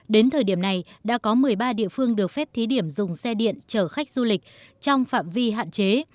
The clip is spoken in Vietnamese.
đến thời điểm này đã có một mươi ba địa phương được phép thí điểm dùng xe điện chở khách du lịch trong phạm vi hạn chế